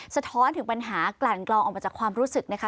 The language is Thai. สะท้อนถึงปัญหากลั่นกลองออกมาจากความรู้สึกนะคะ